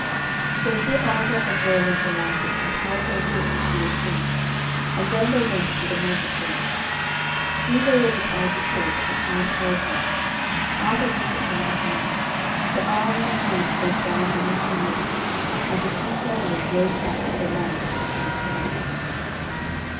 So Sir Arthur and Merlin alighted and tied their horses to a tree, and then they went into the magic boat. Soon they were beside the sword that the hand held up. Arthur took it by the handle, the arm and the hand went down beneath the water, and the two travellers rowed back to the land and went forth.